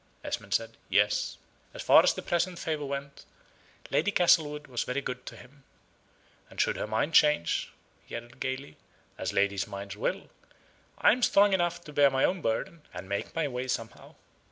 Esmond said, "Yes. As far as present favor went, Lady Castlewood was very good to him. And should her mind change," he added gayly, "as ladies' minds will, I am strong enough to bear my own burden, and make my way somehow.